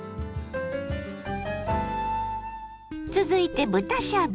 続いて豚しゃぶ。